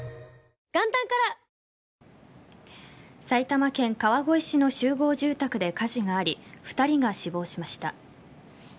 埼玉県川越市の集合住宅で火事があり２人が死亡しました。